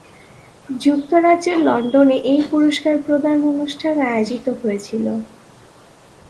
যুক্তরাজ্যের লন্ডনে এই পুরস্কার প্রদান অনুষ্ঠান আয়োজিত হয়েছিল।